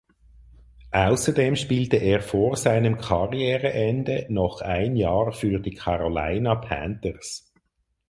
Außerdem spielte er vor seinem Karriereende noch ein Jahr für die Carolina Panthers.